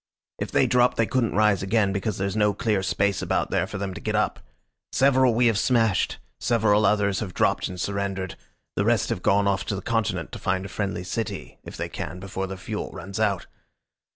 If they dropped they couldn't rise again, because there's no clear space about there for them to get up. Several we have smashed, several others have dropped and surrendered, the rest have gone off to the Continent to find a friendly city if they can before their fuel runs out.